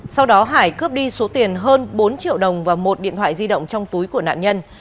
sau đó hải cướp đi số tiền hơn bốn triệu đồng và một điện thoại di động trong túi của nạn nhân